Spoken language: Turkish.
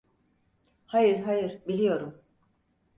Hayır, hayır, biliyorum!